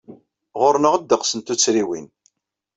Ɣur-neɣ ddeqs n tuttriwin.